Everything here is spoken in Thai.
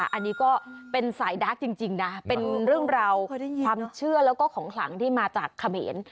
อันนี้ก็เป็นสายดาร์กจริงนะเป็นเรื่องราวความเชื่อแล้วก็ของขลังที่มาจากเขมร